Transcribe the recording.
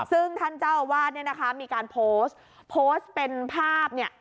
ซึ่งท่านเจ้าอาวาสเนี่ยนะคะมีการโพสต์โพสต์เป็นภาพเนี่ย